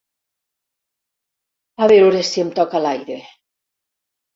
A veure si em toca l'aire.